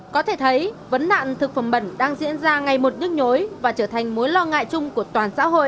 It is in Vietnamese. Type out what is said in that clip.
có thể thấy vấn nạn thực phẩm bẩn đang diễn ra ngày một nhức nhối và trở thành mối lo ngại chung của toàn xã hội